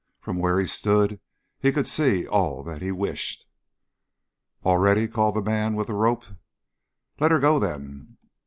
From where he stood he could see all that he wished. "All ready!" called the man with the rope. "Let her go, then!"